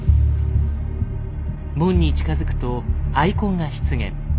門に近づくとアイコンが出現。